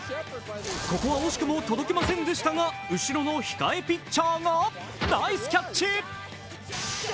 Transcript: ここは惜しくも届きませんでしたが、後ろの控えピッチャーがナイスキャッチ！